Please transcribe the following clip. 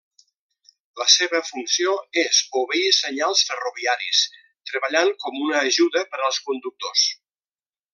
La seva funció és obeir senyals ferroviaris, treballant com una ajuda per als conductors.